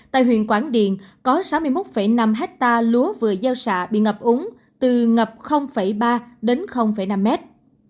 tại huyện quảng điền có sáu mươi một năm hectare lúa vừa gieo xạ bị ngập úng từ ngập ba đến năm mét